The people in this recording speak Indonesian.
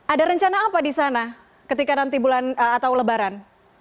ada rencana apa di sana ketika nanti bulan atau lebaran